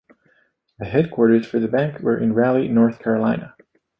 The headquarters for the bank were in Raleigh, North Carolina.